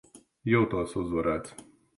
Jūtos uzvarēts.